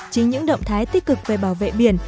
chính những động thái tích cực về bảo vệ biển